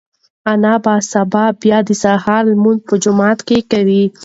انا به سبا بیا د سهار لمونځ په جومات کې کوي.